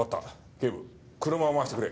ケイブ車を回してくれ。